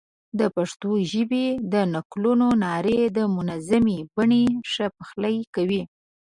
د پښتو ژبې د نکلونو نارې د منظومې بڼې ښه پخلی کوي.